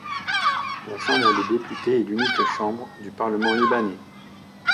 La Chambre des députés est l'unique chambre du parlement libanais.